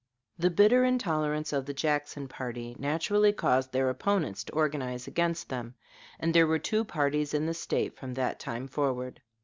The bitter intolerance of the Jackson party naturally caused their opponents to organize against them, and there were two parties in the State from that time forward.